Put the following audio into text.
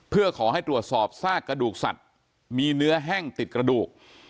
เพื่อขอให้ตรวจสอบซากกระดูกสัตว์มีเนื้อแห้งติดกระดูก